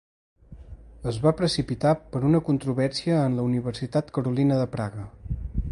Es va precipitar per una controvèrsia en la Universitat Carolina de Praga.